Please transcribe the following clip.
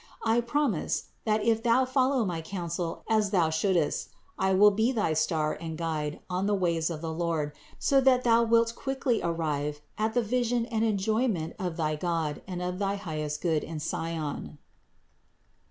I promise, that if thou follow my counsel as thou shouldst, I will be thy star and guide on the ways of the Lord, so that thou wilt quickly arrive at the vision and enjoyment of thy God and of thy highest good in Sion (Ps.